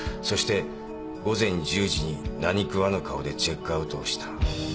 そして午前１０時に何食わぬ顔でチェックアウトをした。